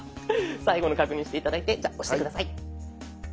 最後の確認して頂いてじゃあ押して下さい。